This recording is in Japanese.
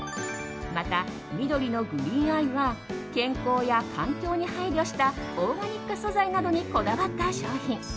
また、緑のグリーンアイは健康や環境に配慮したオーガニック素材などにこだわった商品。